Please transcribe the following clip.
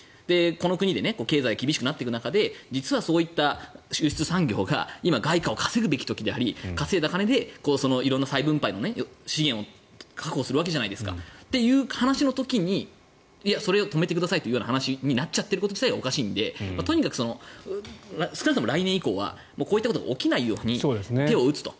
この国で経済が厳しくなっていく中で実はそういった輸出産業が今、外貨を稼ぐべき時であり稼いだ金で色んな再分配の資源を確保するわけじゃないですか。という話の時にそれを止めてくださいという話になっちゃってること自体がおかしいのでとにかく、少なくとも来年以降はこういったことが起きないように手を打つと。